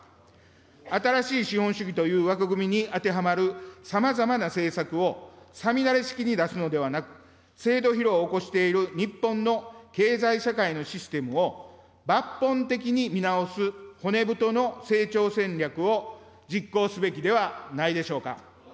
新しい資本主義という枠組みに当てはまるさまざまな政策を五月雨式に出すのではなく、制度疲労を起こしている日本の経済社会のシステムを、抜本的に見直す骨太の成長戦略を実行すべきではないでしょうか。